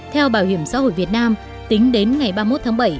theo bảo hiểm xã hội việt nam tính đến ngày ba mươi một tháng bảy